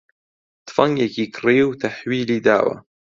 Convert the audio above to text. تفەنگێکی کڕی و تەحویلی داوە